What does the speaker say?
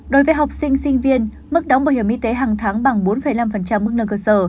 đối với học sinh sinh viên mức đóng bảo hiểm y tế hàng tháng bằng bốn năm mức lương cơ sở